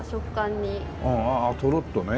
ああトロっとね。